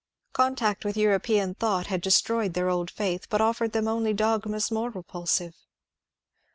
Contact with European thought had destroyed their old faith but offered them only dogmas more repulsive.